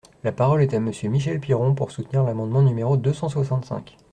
La parole est à Monsieur Michel Piron, pour soutenir l’amendement numéro deux cent soixante-cinq.